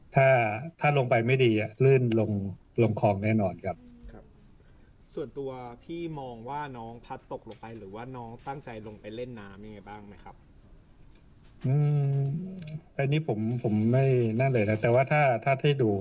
ถ้าที่ดู